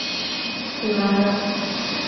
布拉让。